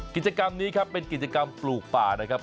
กิจกรรมนี้ครับเป็นกิจกรรมปลูกป่านะครับ